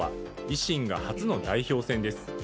維新が初の代表選です。